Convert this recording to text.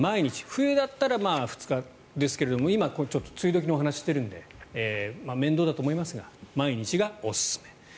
冬だったら２日ですけど今、梅雨時のお話をしているので面倒だと思いますが毎日がおすすめ。